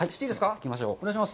行きましょう。